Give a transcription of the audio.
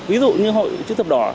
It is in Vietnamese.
ví dụ như hội chức thập đỏ